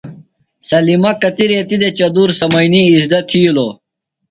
سلمہ کتیۡ ریتی دےۡ چدُور سمینیۡ اِزدہ تھِیلوۡ۔